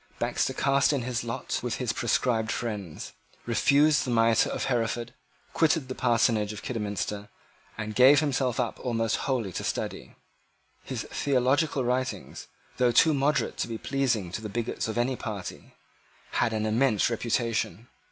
Baxter cast in his lot with his proscribed friends, refused the mitre of Hereford, quitted the parsonage of Kidderminster, and gave himself up almost wholly to study. His theological writings, though too moderate to be pleasing to the bigots of any party, had an immense reputation.